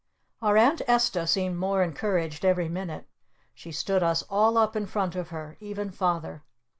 Our Aunt Esta seemed more encouraged every minute. She stood us all up in front of her. Even Father.